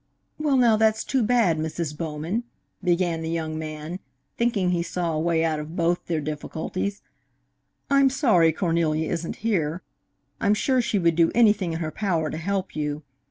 "Well, now, that's too bad, Mrs. Bowman," began the young man, thinking he saw a way out of both their difficulties. "I'm sorry Cornelia isn't here. I'm sure she would do anything in her power to help you.